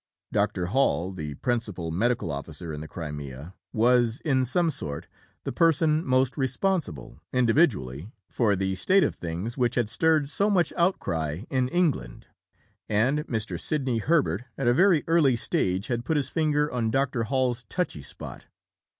Dr. Hall, the Principal Medical Officer in the Crimea, was, in some sort, the person most responsible, individually, for the state of things which had stirred so much outcry in England; and Mr. Sidney Herbert at a very early stage had put his finger on Dr. Hall's touchy spot.